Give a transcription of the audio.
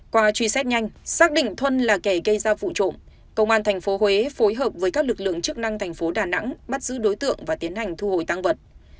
qua truy xét nhanh xác định thuân là kẻ gây ra vụ trộm công an tp huế phối hợp với các lực lượng chức năng thành phố đà nẵng bắt giữ đối tượng và tiến hành thu hồi tăng vật